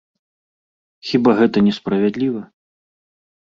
Хіба гэта не справядліва?